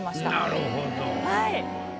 なるほど。